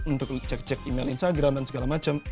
untuk cek cek email instagram dan segala macam